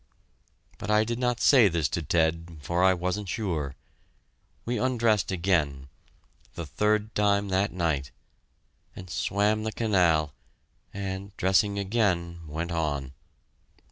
But I did not say this to Ted, for I wasn't sure. We undressed again the third time that night and swam the canal, and, dressing again, went on.